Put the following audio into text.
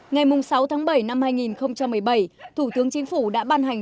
ngày sáu tháng bảy năm hai nghìn một mươi bảy thủ tướng chính phủ đã ban hành